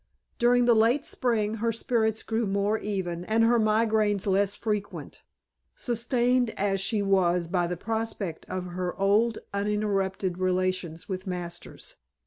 During the late spring her spirits grew more even and her migraines less frequent; sustained as she was by the prospect of her old uninterrupted relations with Masters.